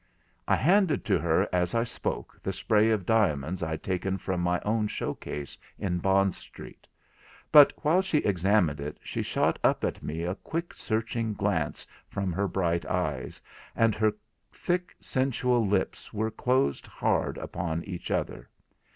I handed to her as I spoke the spray of diamonds I had taken from my own show case in Bond Street; but while she examined it she shot up at me a quick searching glance from her bright eyes, and her thick sensual lips were closed hard upon each other.